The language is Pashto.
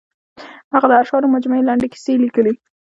هغه د اشعارو مجموعې، لنډې کیسې لیکلي.